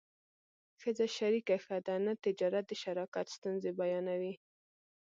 ښځه شریکه ښه ده نه تجارت د شراکت ستونزې بیانوي